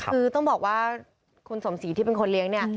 คือต้องบอกว่าคุณสมศรีที่เป็นคนเลี้ยงเนี่ย